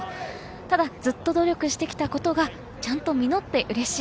ただずっと努力してきたことがちゃんと実ってうれしい。